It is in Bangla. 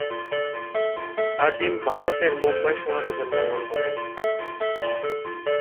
আজিম ভারতের মুম্বাই শহরে জন্মগ্রহণ করেন।